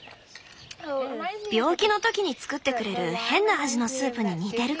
病気の時に作ってくれる変な味のスープに似てるかも。